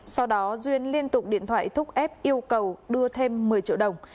sau đó duyên liên tục điện thoại thúc ép yêu cầu đưa thêm một mươi triệu đồng